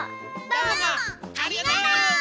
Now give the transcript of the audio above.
どうもありがとう！